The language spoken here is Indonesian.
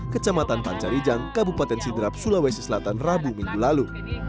kecamatan pancarijang kabupaten sidrap sulawesi selatan rabu minggu lalu